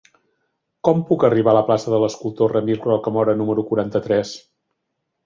Com puc arribar a la plaça de l'Escultor Ramir Rocamora número quaranta-tres?